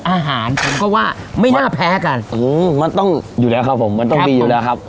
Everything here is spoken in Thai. อาหารผมก็ว่าไม่น่าแพ้กันอืมมันต้องอยู่แล้วครับผมมันต้องมีอยู่แล้วครับ